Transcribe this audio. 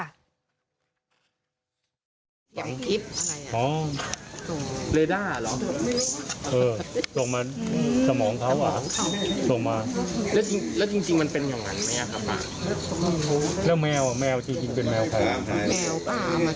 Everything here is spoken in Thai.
อย่างนี้เราจะทำอย่างไรเมื่อเฒื่อบังถัดกันครับครับป้า